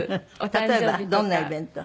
例えばどんなイベント？